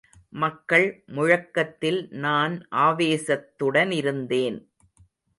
மக்கள் முழக்கத்தில் நான் ஆவேசத்துடனிருந்தேன்.